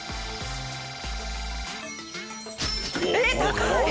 えっ高い！